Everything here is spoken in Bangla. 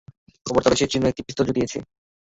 খবর রয়েছে, চিনো একটি পিস্তল জুটিয়েছে।